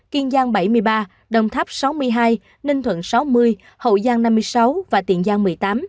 kiên giang bảy mươi ba đồng tháp sáu mươi hai ninh thuận sáu mươi hậu giang năm mươi sáu và tiền giang một mươi tám